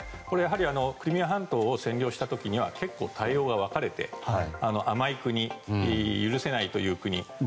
これはやはりクリミア半島を占領した時には結構、対応が分かれて甘い国、許せないという国。